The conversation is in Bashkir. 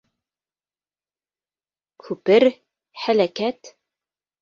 Күпер... һәләкәт...